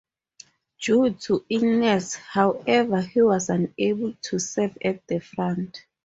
Due to illness, however, he was unable to serve at the front.